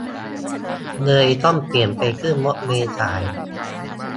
เลยต้องเปลี่ยนไปขึ้นรถเมล์สาย